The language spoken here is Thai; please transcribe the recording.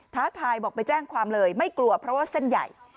ท้าทายบอกไปแจ้งความเลยไม่กลัวเพราะว่าเส้นใหญ่